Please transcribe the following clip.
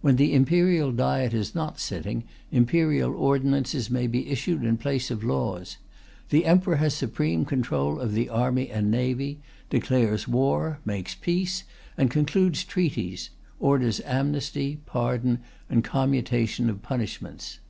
When the Imperial Diet is not sitting, Imperial ordinances may be issued in place of laws. The Emperor has supreme control of the Army and Navy, declares war, makes peace, and concludes treaties; orders amnesty, pardon and commutation of punishments.